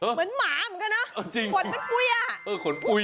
เหมือนหมาหวนเป็นปุ๊ย